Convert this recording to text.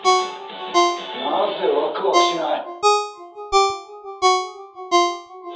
なぜワクワクしない。